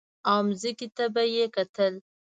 او ځمکې ته به یې کتل.